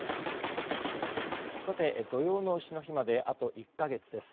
土用の丑の日まであと１か月です。